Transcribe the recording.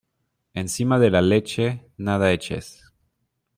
Encima de la leche, nada eches.